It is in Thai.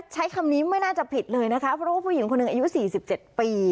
ใช้คำนี้ไม่น่าจะผิดเลยนะคะเพราะว่าผู้หญิงคนหนึ่งอายุ๔๗ปี